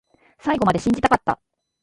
最後まで信じたかった